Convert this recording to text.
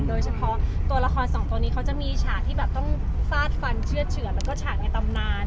โดยเฉพาะตัวละครสองตัวนี้เขาจะมีฉากที่แบบต้องฟาดฟันเชื่อดเฉือนแล้วก็ฉากในตำนาน